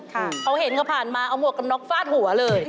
เขาเห็นเขาผ่านมาเอาหมวกกันน็อกฟาดหัวเลย